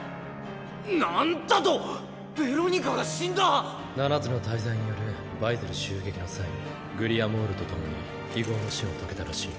なんだと⁉ベロニカが死んだ⁉七つの大罪によるバイゼル襲撃の際グリアモールと共に非業の死を遂げたらしい。